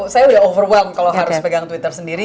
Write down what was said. saya udah overbum kalau harus pegang twitter sendiri